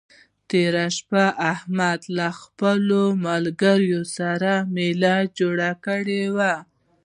تېره شپه احمد له خپلو ملګرو سره مېله جوړه کړې وه.